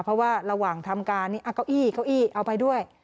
เพราะว่าระหว่างทำการเก้าอี้เก้าอี้เอาไปด้วย